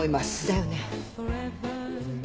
だよね。